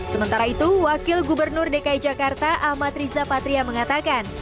sementara itu wakil gubernur dki jakarta ahmad riza patria mengatakan